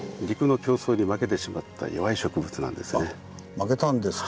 負けたんですか。